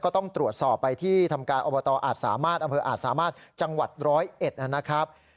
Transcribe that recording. ก็ต้องตรวจสอบไปที่ทำการอบตอาสมาสอำฤิออัสมาสจังหวัด๑๐๑อะนะครับ